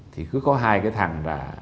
thì cứ có hai cái thằng